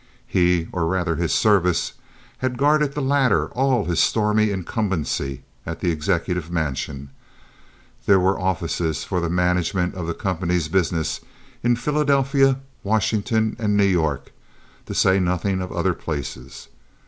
He, or rather his service, had guarded the latter all his stormy incumbency at the executive mansion. There were offices for the management of the company's business in Philadelphia, Washington, and New York, to say nothing of other places.